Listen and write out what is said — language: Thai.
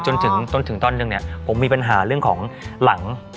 จนถึงต้นตอนหนึ่งเนี่ยผมมีปัญหาเรื่องของหลัง